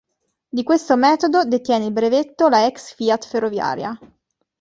Di questo metodo detiene il brevetto la ex Fiat Ferroviaria.